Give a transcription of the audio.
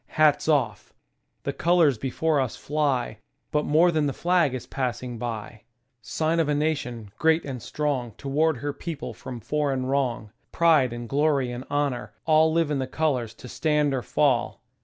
Hats off ! The colors before us fly, But more than the flag is passing by. ••• Sign of a nation, great and strong To ward her people from foreign wrong: Pride and glory and honor, — all Live in the colors to stand or fall.